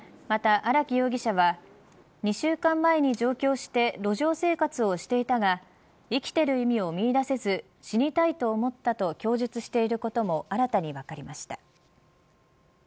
また、荒木容疑者は２週間前に上京して路上生活をしていたが生きてる意味を見いだせず死にたいと思ったと供述していることも新たに分かりました。